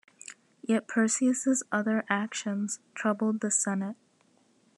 Yet, Perseus' other actions troubled the Senate.